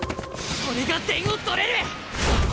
俺が点を取れる！